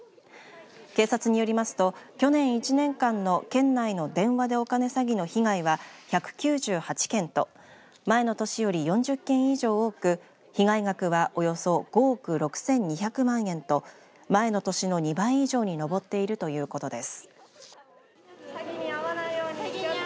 警察によりますと、去年１年間の県内の電話でお金詐欺の被害は１９８件と前の年より４０件以上多く被害額はおよそ５億６２００万円と前の年の２倍以上に上っているということです。